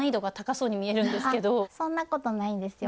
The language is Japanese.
そんなことないんですよ。